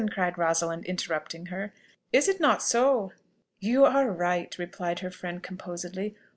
cried Rosalind, interrupting her. "Is it not so?" "You are right," replied her friend composedly.